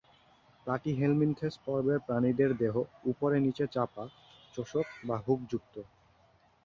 Platyhelminthes পর্বের প্রাণীদের দেহ উপরে-নিচে চাপা, চোষক বা হুক যুক্ত।